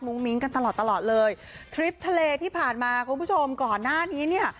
มิ้งกันตลอดตลอดเลยทริปทะเลที่ผ่านมาคุณผู้ชมก่อนหน้านี้เนี่ย